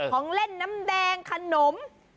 ของเล่นน้ำแดงขนม